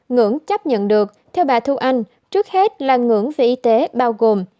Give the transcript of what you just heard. ngưỡng chấp nhận được theo bà thu anh trước hết là ngưỡng về y tế bao gồm